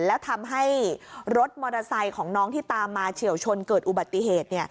แล้วทำให้รถมอเตอร์ไซค์ของน้องที่ตามมาเฉียวชนเกิดอุบัติเหตุ